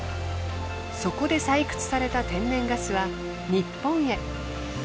そこで採掘された天然ガスは日本へ。